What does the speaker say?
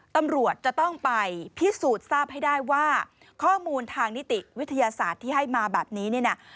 ตำรวจจะต้องไปพิสูจน์ทราบให้ได้ว่าข้อมูลทางนิติวิทยาศาสตร์ที่ให้มาแบบนี้เนี่ยนะ